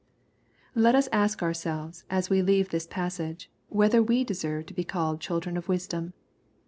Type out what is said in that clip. Let us ask ourselves, as we leave this passage, whether we deserve to be called children of wisdom